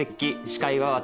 司会は私